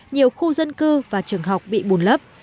nhiều khu dân cư và trường học bị bùn lấp